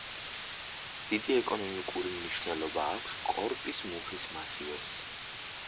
დიდი ეკონომიკური მნიშვნელობა აქვს კორპის მუხის მასივებს.